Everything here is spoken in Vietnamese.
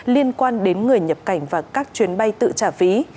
liên quan đến người nhập cảnh và các chuyến bay tự trả phí